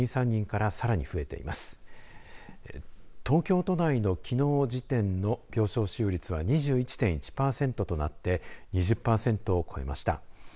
東京都内のきのう時点の病床使用率は２１．１パーセントとなって２０パーセントを超えました。